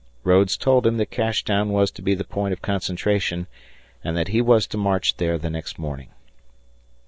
Rodes told him that Cashtown was to be the point of concentration and that he was to march there the next morning.